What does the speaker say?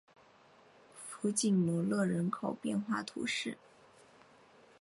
弗什罗勒人口变化图示